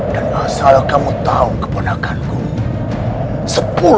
dan asal kamu tahu kebenakanku